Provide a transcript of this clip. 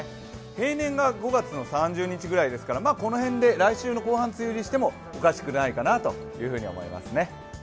平年が５月の３０日ぐらいですから、この辺で来週の後半、梅雨入りしてもおかしくないかなというふうに思いますね。